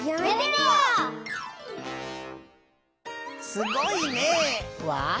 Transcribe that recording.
「すごいね」は？